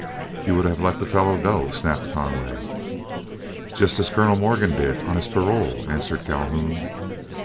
"You would have let the fellow go," snapped Conway. "Just as Colonel Morgan did, on his parole," answered Calhoun.